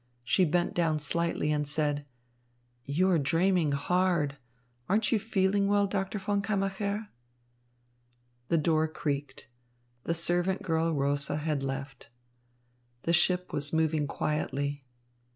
She bent down slightly, and said: "You are dreaming hard. Aren't you feeling well, Doctor von Kammacher?" The door creaked. The servant girl Rosa had left. The ship was moving quietly.